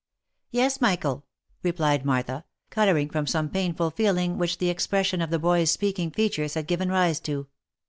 " Yes, Michael," replied Martha, colouring from some painful feeling which the expression of the boy's speaking features had given rise to.